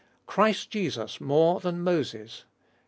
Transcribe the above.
Christ Jesus more than Moses (iii.